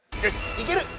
いける！